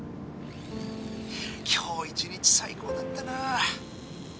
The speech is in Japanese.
今日一日最高だったな。